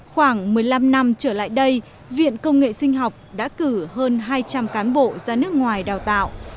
khoảng một mươi năm năm trở lại đây viện công nghệ sinh học đã cử hơn hai trăm linh cán bộ ra nước ngoài đào tạo